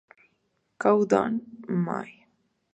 Countdown", "M!